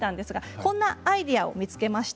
こんなアイデアを見つけました。